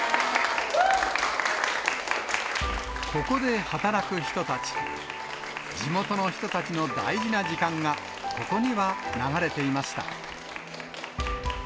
ここで働く人たち、地元の人たちの大事な時間が、ここには流れていました。